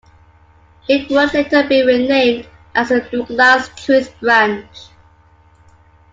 It would later be renamed as the Douglass-Truth branch.